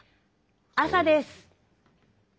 朝です！